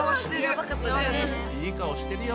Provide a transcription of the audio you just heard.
うんいい顔してるよ。